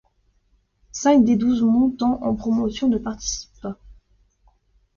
Cinq des douze montants en Promotion ne participent pas.